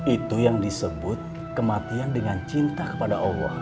itu yang disebut kematian dengan cinta kepada allah